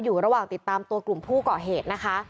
อยู่ระหว่างติดตามตัวกลุ่มผู้ก่อเหตุนะคะ